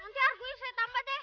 nanti argois saya tambah deh